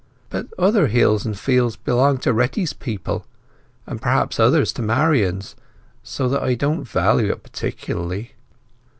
But other hills and fields belonged to Retty's people, and perhaps others to Marian's, so that I don't value it particularly."